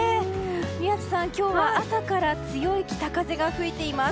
宮司さん、今日は朝から強い北風が吹いています。